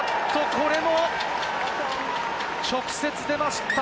これも直接出ました。